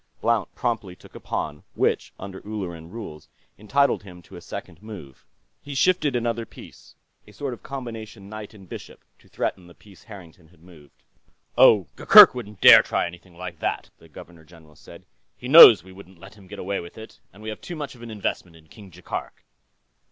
Blount promptly took a pawn, which, under Ulleran rules, entitled him to a second move. He shifted another piece, a sort of combination knight and bishop, to threaten the piece Harrington had moved. "Oh, Gurgurk wouldn't dare try anything like that," the Governor General said. "He knows we wouldn't let him get away with it. We have too much of an investment in King Jaikark."